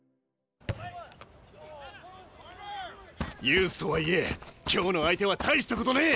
ユースとはいえ今日の相手は大したことねえ！